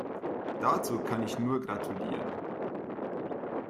Dazu kann ich nur gratulieren.